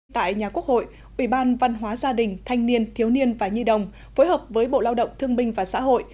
tại nhà quốc hội ủy ban văn hóa gia đình thanh niên thiếu niên và nhi đồng phối hợp với bộ lao động thương binh và xã hội